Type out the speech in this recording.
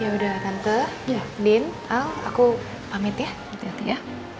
yaudah tante din al aku pamit ya